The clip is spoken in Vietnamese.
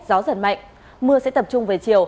gió giật mạnh